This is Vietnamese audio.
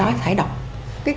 bên cạnh đó thải độc